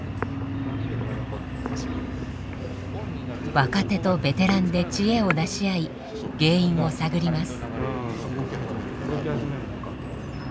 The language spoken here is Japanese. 若手とベテランで知恵を出し合い原因を探ります。